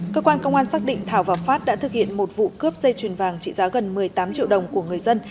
cơ quan công an xác định thảo và phát đã thực hiện một vụ cướp dây chuyền vàng trị giá gần một mươi tám triệu đồng của người dân